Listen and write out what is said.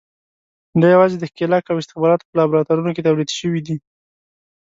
دا یوازې د ښکېلاک او استخباراتو په لابراتوارونو کې تولید شوي دي.